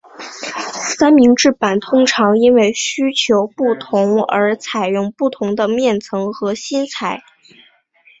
三明治板通常因为需求不同而采用不同的面层和芯材。